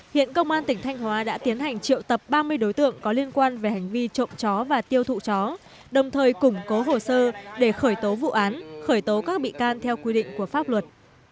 hiện công an tỉnh thanh hóa đã tiến hành triệu tập ba mươi đối tượng có liên quan về hành vi trộm chó và tiêu thụ chó đồng thời củng cố hồ sơ để khởi tố vụ án khởi tố các bị can theo quy định của pháp luật